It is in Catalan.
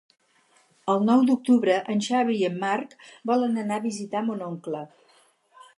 El nou d'octubre en Xavi i en Marc volen anar a visitar mon oncle.